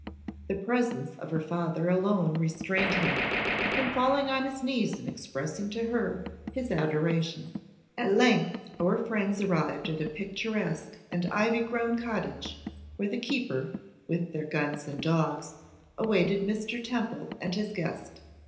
The presence of her father alone restrained him from falling on his knees and expressing to her his adoration. At length our friends arrived at a picturesque and ivy grown cottage, where the keeper, with their guns and dogs, awaited Mr. Temple and his guest.